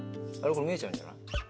これ見えちゃうんじゃない？